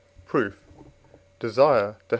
Proof. Desire (Def.